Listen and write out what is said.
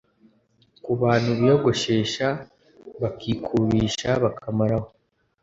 Ku bantu biyogoshesha bakikubisha bakamaraho ,